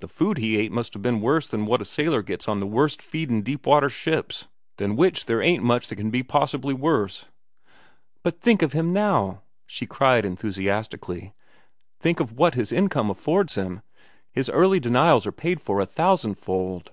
"The food he ate must have been worse than what a sailor gets on the worst feedin' deep water ships, than which there ain't much that can be possibly worse." "But think of him now!" she cried enthusiastically. "Think of what his income affords him. His early denials are paid for a thousand fold."